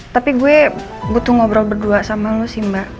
tapi gue butuh ngobrol berdua sama lo sih mbak